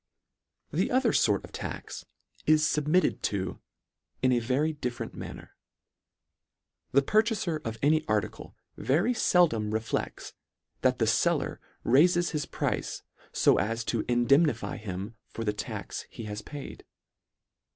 The other fort of tax is fubmitted to in a very different manner. The purchafer of any article very feldom reflects that the feller raifes his price fo as to indemnify him for the tax he has paid.